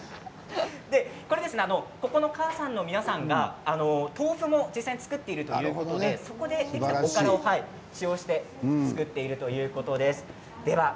ここのかあさんの皆さんが豆腐も実際に作っているということでおからを使用して作っているということなんです。